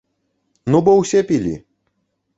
Ну бо ўсе пілі.